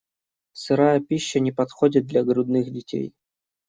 Сырая пища не подходит для грудных детей.